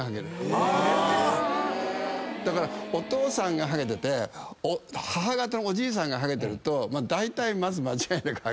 だからお父さんがハゲてて母方のおじいさんがハゲてるとだいたい間違いなくハゲるよね。